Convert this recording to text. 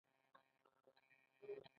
دوی د پیسو وینځلو مخه نیسي.